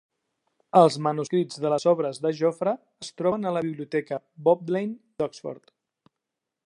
Els manuscrits de les obres de Jofre es troben a la biblioteca Bodleian d'Oxford.